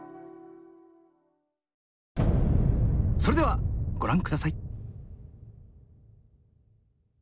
それではご覧ください。